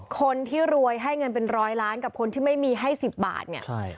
คนที่รวยให้เงินเป็นร้อยล้านกับคนที่ไม่มีให้๑๐บาทเนี่ย